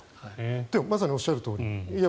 まさにおっしゃるとおり。